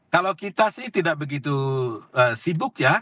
kalau kita sih tidak begitu sibuk ya